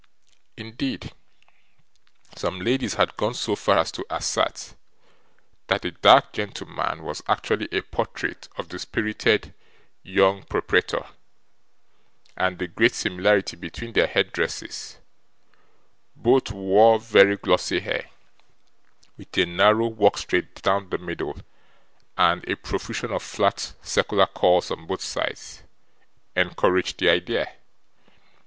Indeed, some ladies had gone so far as to assert, that the dark gentleman was actually a portrait of the spirted young proprietor; and the great similarity between their head dresses both wore very glossy hair, with a narrow walk straight down the middle, and a profusion of flat circular curls on both sides encouraged the idea.